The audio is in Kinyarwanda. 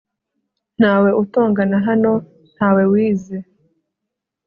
ntawe utongana hano, ntawe wize